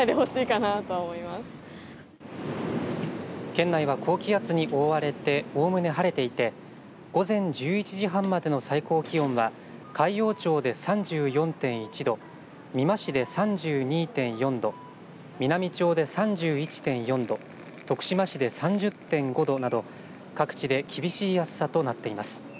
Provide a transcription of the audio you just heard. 県内は高気圧に覆われておおむね晴れていて午前１１時半までの最高気温は海陽町で３４．１度美馬市で３２．４度美波町で３１．４度徳島市で３０．５度など各地で厳しい暑さとなっています。